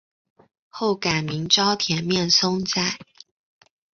后改名沼田面松斋。